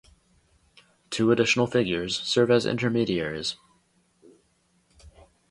Two additional figures serve as intermediaries.